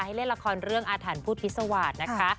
ให้เล่นละครเรื่องอาหารพูดอิสวาตินะคะ